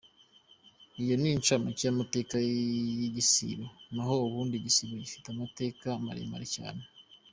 Ayo ni incamake y’amateka y’igisibo, naho ubundi igisibo gifite amateka maremare cyane.